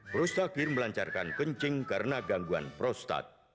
prostakir melancarkan kencing karena gangguan prostat